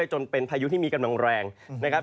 จนเป็นพายุที่มีกำลังแรงนะครับ